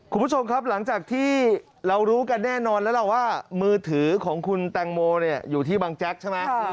คุณผู้ชมครับหลังจากที่เรารู้กันแน่นอนแล้วล่ะว่ามือถือของคุณแตงโมอยู่ที่บางแจ๊กใช่ไหม